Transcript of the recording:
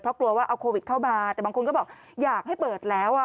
เพราะกลัวว่าเอาโควิดเข้ามาแต่บางคนก็บอกอยากให้เปิดแล้วอ่ะ